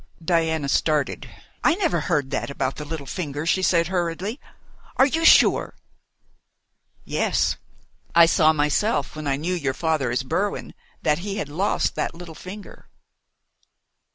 Diana started. "I never heard that about the little finger," she said hurriedly. "Are you sure?" "Yes. I saw myself when I knew your father as Berwin, that he had lost that little finger."